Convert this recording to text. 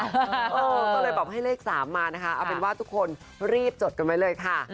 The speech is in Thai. ก็เลยแบบให้เลข๓มานะคะเอาเป็นว่าทุกคนรีบจดกันไว้เลยค่ะ